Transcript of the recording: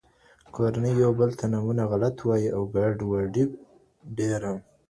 کورنۍ يو بل ته نومونه غلط وايي او ګډوډي ډېره